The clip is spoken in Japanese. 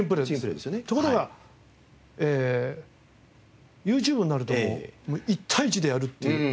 ところがＹｏｕＴｕｂｅになるともう１対１でやるっていう。